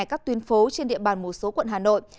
các tuyến phố trên địa bàn một số quận hà nội